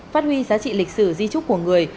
phát huy giá trị lịch sử di trúc của người